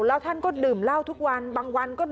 แล้วท่านก็ดื่มเล่าทุกวัน